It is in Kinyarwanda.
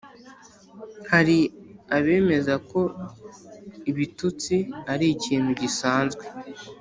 hari abemeza ko ibitutsi ari ikintu gisanzwe,